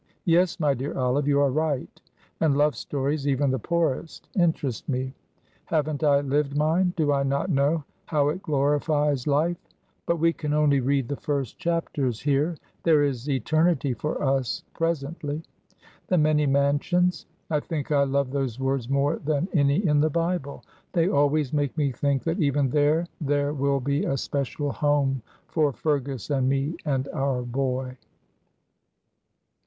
Yes, my dear Olive, you are right, and love stories, even the poorest, interest me. Haven't I lived mine? Do I not know how it glorifies life? but we can only read the first chapters here, there is eternity for us presently. 'The many mansions,' I think I love those words more than any in the Bible; they always make me think that even there there will be a special home for Fergus and me and our boy."